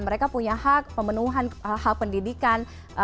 mereka punya hak pemenuhan hak pendidikan